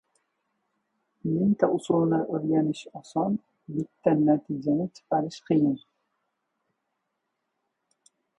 • Mingta usulni o‘rganish oson, bitta natijani chiqarish qiyin.